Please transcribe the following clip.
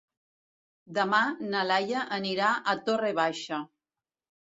Demà na Laia anirà a Torre Baixa.